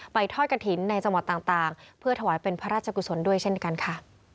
ทอดกระถิ่นในจังหวัดต่างเพื่อถวายเป็นพระราชกุศลด้วยเช่นกันค่ะ